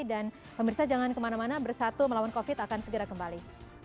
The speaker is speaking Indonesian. dan pemerintah jangan kemana mana bersatu melawan covid akan segera kembali